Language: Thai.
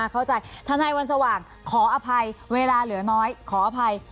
เข้าใจท่านไหนวันสว่างขออภัยเวลาเหลือน้อยขออภัย